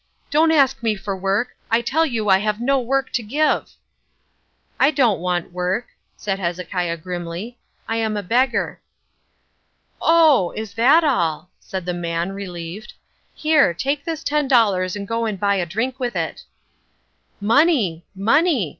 "Don't ask me for work. I tell you I have no work to give." "I don't want work," said Hezekiah grimly. "I am a beggar." "Oh! is that all," said the man, relieved. "Here, take this ten dollars and go and buy a drink with it." Money! money!